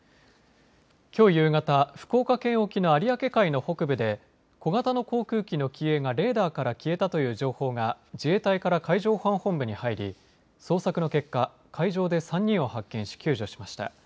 きょう夕方、福岡県沖の有明海の北部で小型の航空機の機影がレーダーから消えたという情報が自衛隊から海上保安本部に入り捜索の結果、海上で３人を発見し救助しました。